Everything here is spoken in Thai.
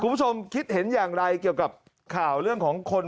คุณผู้ชมคิดเห็นอย่างไรเกี่ยวกับข่าวเรื่องของคน